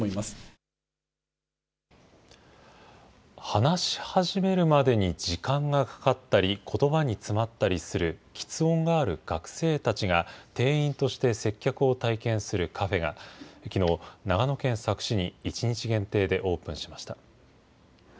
話し始めるまでに時間がかかったり、ことばに詰まったりするきつ音がある学生たちが定員として接客を体験するカフェが、きのう、長野県佐久市に１日限定でオープンしました。